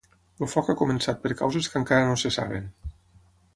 El foc ha començat per causes que encara no se saben.